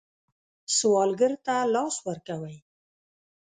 سوالګر ته لاس ورکوئ